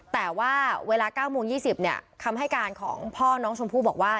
แต่ว่าเวลา๙โมง๒๐เนี่ยคำให้การของพ่อน้องชมพู่บอกว่า